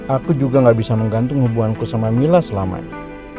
aku juga gak bisa menggantung hubunganku sama mila selama ini